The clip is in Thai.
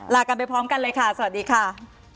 ลากันไปพร้อมกันเลยค่ะสวัสดีค่ะ